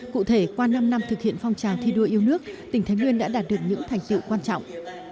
cụ thể qua năm năm thực hiện phong trào thi đua yêu nước tỉnh thái nguyên đã đạt được những thành tiệu quan trọng